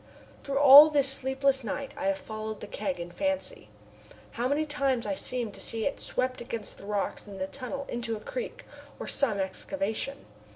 Through all this sleepless night I have followed the keg in fancy. How many times I seem to see it swept against the rocks in the tunnel into a creek, or some excavation.